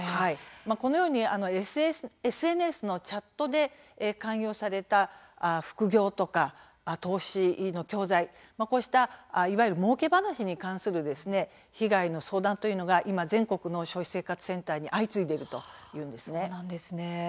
このようにＳＮＳのチャットで勧誘をされた副業とか投資の教材もうけ話に関する被害の相談が今、全国の消費生活センターに相次いでいるというんですね。